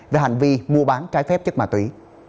về hành vi mua bán trái phép chất ma túy